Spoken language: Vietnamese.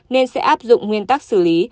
nên sẽ áp dụng nguyên tắc xử lý